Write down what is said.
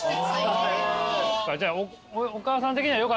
じゃあお母さん的にはよかったですね。